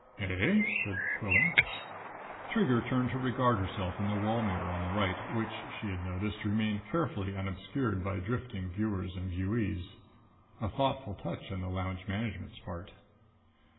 "Eh?" said Quillan. Trigger turned to regard herself in the wall mirror on the right, which, she had noticed, remained carefully unobscured by drifting viewers and viewees. A thoughtful touch on the lounge management's part.